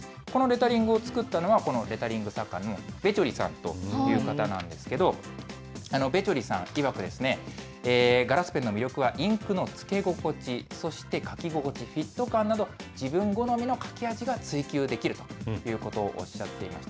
このレタリングを作ったのが、このレタリング作家のべちょりさんという方なんですけど、べちょりさんいわく、ガラスペンの魅力はインクのつけ心地、そして書き心地、フィット感など、自分好みの書き味が追求できるということをおっしゃっていました。